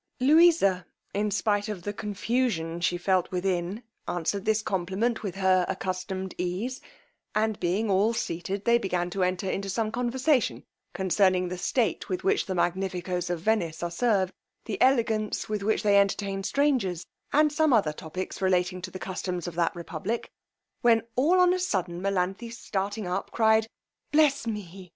Louisa, in spite of the confusion she felt within, answered this compliment with her accustomed ease; and being all seated, they began to enter into some conversation concerning the state with which the Magnifico's of Venice are served, the elegance with which they entertain strangers, and some other topics relating to the customs of that republic, when all on a sudden Melanthe starting up, cried, bless me!